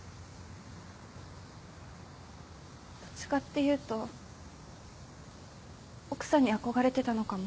どっちかっていうと奥さんに憧れてたのかも。